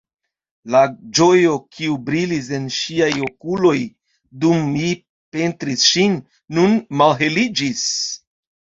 La ĝojo, kiu brilis en ŝiaj okuloj, dum mi pentris ŝin, nun malheliĝis.